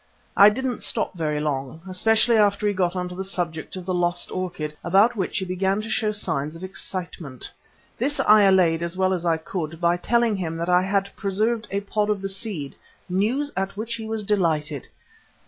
I didn't stop very long, especially after he got on to the subject of the lost orchid, about which he began to show signs of excitement. This I allayed as well as I could by telling him that I had preserved a pod of the seed, news at which he was delighted.